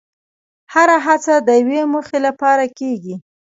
هره هڅه د یوې موخې لپاره کېږي.